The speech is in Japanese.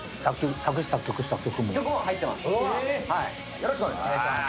よろしくお願いします。